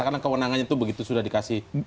karena kewenangannya itu begitu sudah dikasih